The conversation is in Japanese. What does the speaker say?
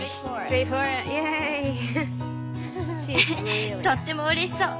ウフとってもうれしそう。